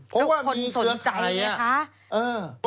ทุกคนสนใจไหมคะอืมเพราะว่ามีเครือใครเออ